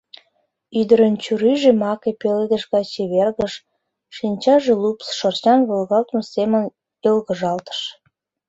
Ӱдырын чурийже маке пеледыш гай чевергыш, шинчаже лупс шырчан волгалтмыж семын йолгыжалтыш.